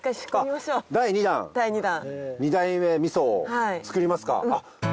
第２弾２代目みそを造りますか。